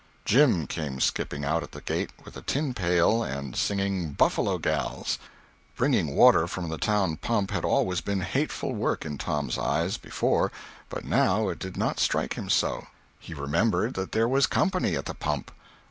Jim came skipping out at the gate with a tin pail, and singing Buffalo Gals. Bringing water from the town pump had always been hateful work in Tom's eyes, before, but now it did not strike him so. He remembered that there was company at the pump.